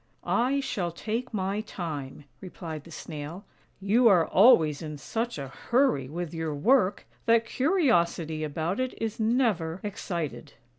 "" I shall take my time," replied the Snail. " You are always in such a hurry with your work, that curiosity about it is never excited."